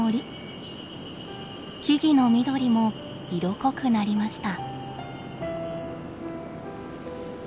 木々の緑も色濃くなりました。